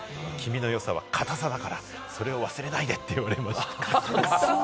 君の良さは堅さだから、それを忘れないでって言われました。